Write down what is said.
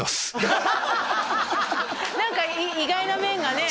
何か意外な面がね